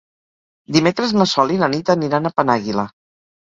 Dimecres na Sol i na Nit aniran a Penàguila.